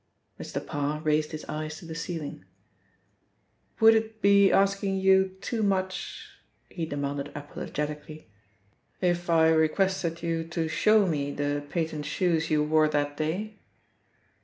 Mr. Parr raised his eyes to the ceiling. "Would it be asking you too much," he demanded apologetically, "if I requested you to show me the patent shoes you wore that day?"